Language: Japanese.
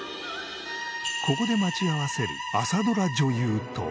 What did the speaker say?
ここで待ち合わせる朝ドラ女優とは？